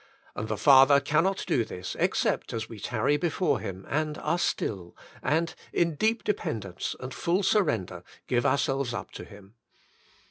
And the Father cannot do this except as we tarry before Him, and are still, and in deep dependence and full surrender give ourselves up to Him.